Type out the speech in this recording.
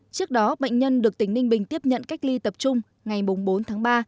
trước đó bệnh nhân được tỉnh ninh bình tiếp nhận cách ly tập trung ngày bốn tháng ba